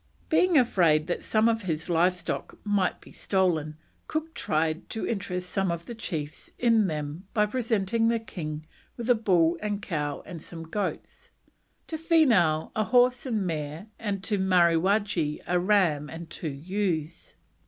Being afraid that some of his live stock might be stolen, Cook tried to interest some of the chiefs in them by presenting the king with a bull and cow and some goats; to Feenough a horse and mare, and to Mariwaggee a ram and two ewes.